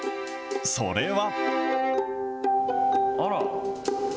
それは。